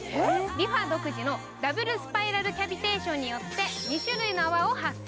リファ独自のダブルスパイラルキャビテーションによって２種類の泡を発生。